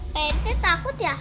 pak rt takut ya